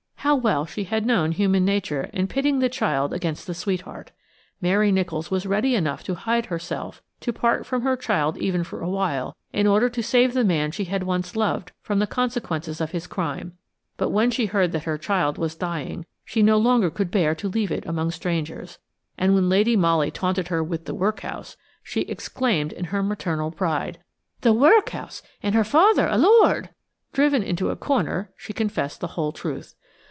How well she had known human nature in pitting the child against the sweetheart! Mary Nicholls was ready enough to hide herself, to part from her child even for a while, in order to save the man she had once loved from the consequences of his crime; but when she heard that her child was dying, she no longer could bear to leave it among strangers, and when Lady Molly taunted her with the workhouse, she exclaimed in her maternal pride: "The workhouse! And her father a lord!" Driven into a corner, she confessed the whole truth.